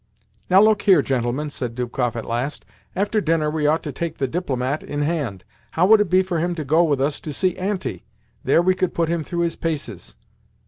"Now, look here, gentlemen," said Dubkoff at last. "After dinner we ought to take the DIPLOMAT in hand. How would it be for him to go with us to see Auntie? There we could put him through his paces."